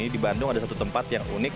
di bandung ada satu tempat yang unik